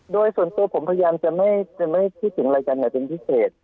โดยส่วนตัวผมพยายามจะไม่พิสิทธิ์ถึงรายการแบบนี้เป็นพิเศษ